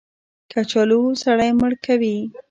کچالو سړی مړ کوي